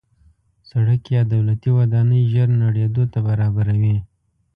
سړک یا دولتي ودانۍ ژر نړېدو ته برابره وي.